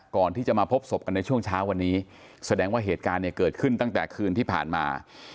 ก่อนที่จะมาพบศพกันในช่วงเช้าวันนี้แสดงว่าเหตุการณ์เนี่ยเกิดขึ้นตั้งแต่คืนที่ผ่านมา